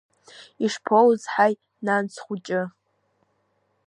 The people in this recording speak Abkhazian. Ишԥоузҳаи, нан, схәыҷы!